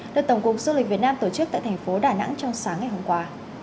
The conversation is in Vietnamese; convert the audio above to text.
được tổng cục du lịch việt nam tổ chức tại thành phố đà nẵng trong sáng ngày hôm qua